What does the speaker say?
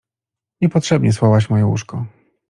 — Niepotrzebnie słałaś moje łóżko.